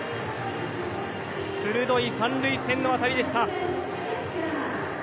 鋭い三塁線の当たりでした。